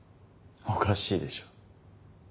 おかしいでしょう。